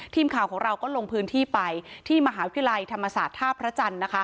ทีมข่าวของเราก็ลงพื้นที่ไปที่มหาวิทยาลัยธรรมศาสตร์ท่าพระจันทร์นะคะ